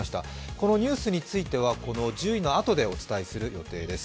このニュースについては、１０位のあとでお伝えする予定です。